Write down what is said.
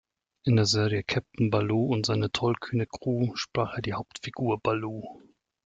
In der Serie "Käpt’n Balu und seine tollkühne Crew" sprach er die Hauptfigur Balu.